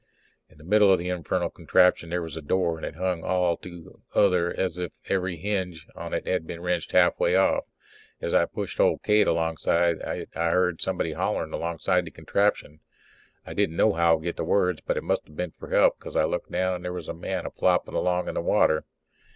In the middle of the infernal contraption there was a door, and it hung all to other as if every hinge on it had been wrenched halfway off. As I pushed old Kate alongside it I heared somebody hollering alongside the contraption. I didn't nohow get the words but it must have been for help, because I looked down and there was a man a flopping along in the water.